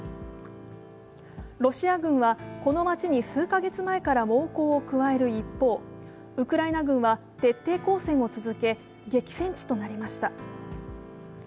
ロシア軍はこの街に数か月前から猛攻を加える一方、ウクライナ軍は徹底抗戦を続け激戦地となりました。